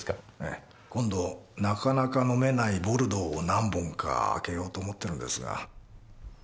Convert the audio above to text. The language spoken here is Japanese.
ええ。今度なかなか飲めないボルドーを何本か開けようと思ってるんですが。